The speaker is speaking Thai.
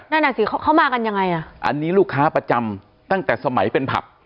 นั่นอ่ะสิเขามากันยังไงอ่ะอันนี้ลูกค้าประจำตั้งแต่สมัยเป็นผับ